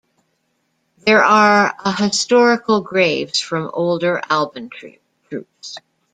There are a historical graves from older alban troops.